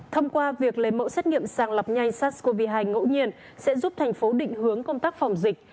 thông qua việc lấy mẫu xét nghiệm sàng lọc nhanh sars cov hai ngẫu nhiên sẽ giúp thành phố định hướng công tác phòng dịch